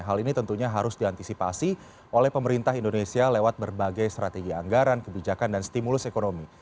hal ini tentunya harus diantisipasi oleh pemerintah indonesia lewat berbagai strategi anggaran kebijakan dan stimulus ekonomi